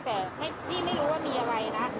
แต่พี่ไม่รู้ว่ามีอะไรนะ